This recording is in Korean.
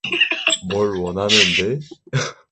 뭘 원하는데?